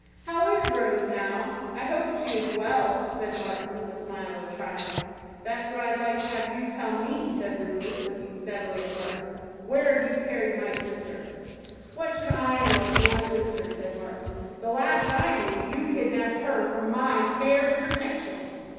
"How is Rose now? I hope she is well," said Martin, with a smile of triumph. "That's what I'd like to have you tell me," said Rufus, looking steadily at Martin. "Where have you carried my sister?" "What should I know of your sister?" said Martin. "The last I knew, you kidnapped her from my care and protection."